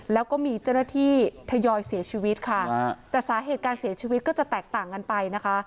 แล้วก็มีเจ้าหน้าที่ทยอยเสียชีวิตค่ะแต่สาเหตุการเสียชีวิตก็จะแตกต่างกันไปนะคะ